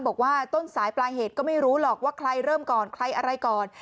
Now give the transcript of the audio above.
บอกว่าต้นสายปลายเหตุก็ไม่รู้หรอกว่าใครเริ่มก่อนใครอะไรก่อน